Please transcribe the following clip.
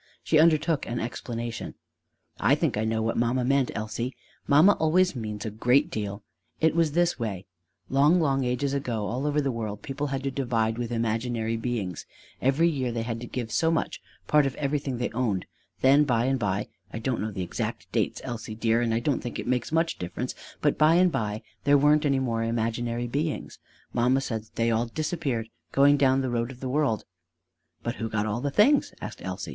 She undertook an explanation: "I think I know what mamma meant, Elsie. Mamma always means a great deal. It was this way: long, long ages ago all over the world people had to divide with imaginary beings: every year they had to give so much, part of everything they owned. Then by and by I don't know the exact date, Elsie, dear, and I don't think it makes much difference; but by and by there weren't any more imaginary beings. Mamma said that they all disappeared, going down the road of the world." "But who got all the things?" asked Elsie.